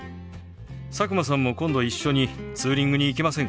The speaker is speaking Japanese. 佐久間さんも今度一緒にツーリングに行きませんか？